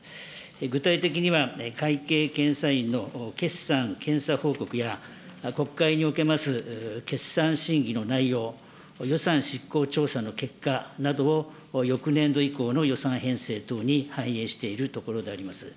具体的には、会計検査院の決算検査報告や、国会におけます、決算審議の内容、予算執行調査の結果などを翌年度以降の予算編成等に反映しているところであります。